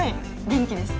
元気です。